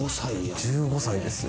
１５歳ですよ。